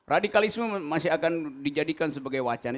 radikalisme masih akan dijadikan sebagai wacana